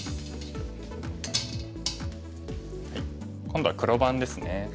今度は黒番ですね。